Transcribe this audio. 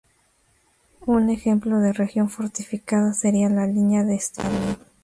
Un ejemplo de región fortificada sería la línea de Stalin.